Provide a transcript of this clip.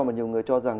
mà nhiều người cho rằng